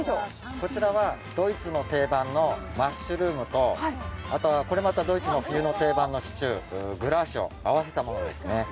こちらはドイツの定番のマッシュルームとあとはこれまたドイツの冬の定番のシチュー、グラーシュを合わせたものですね。